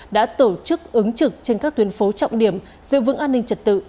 đã tổ chức ứng trực trên các tuyến phố trọng điểm giữ vững an ninh trật tự